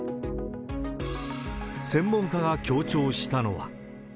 専門家が強調したのは。